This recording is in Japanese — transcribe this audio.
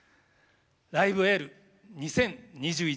「ライブ・エール２０２１」